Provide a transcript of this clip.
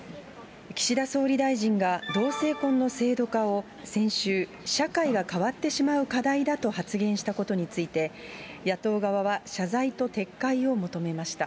岸田総理大臣が同性婚の制度化を先週、社会が変わってしまう課題だと発言したことについて、野党側は謝罪と撤回を求めました。